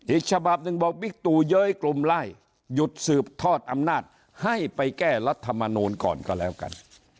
อีกฉบับหนึ่งบอกบิ๊กตู่เย้ยกลุ่มไล่หยุดสืบทอดอำนาจให้ไปแก้รัฐมนูลก่อนก็แล้วกัน